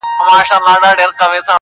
شور د کربلا کي به د شرنګ خبري نه کوو.!